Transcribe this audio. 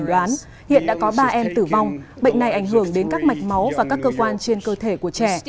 đoán hiện đã có ba em tử vong bệnh này ảnh hưởng đến các mạch máu và các cơ quan trên cơ thể của trẻ